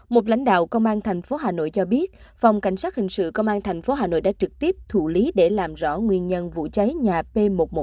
một lãnh đạo công an thành phố hà nội cho biết phòng cảnh sát hình sự công an thành phố hà nội đã trực tiếp thủ lý để làm rõ nguyên nhân vụ cháy nhà p một trăm một mươi sáu